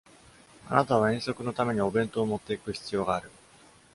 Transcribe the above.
あなたは遠足のためにお弁当を持っていく必要がある。